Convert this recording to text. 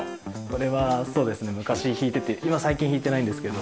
これはそうですね昔弾いてて今最近弾いてないんですけど。